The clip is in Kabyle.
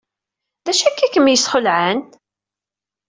D acu akka ay kem-yesxelɛen?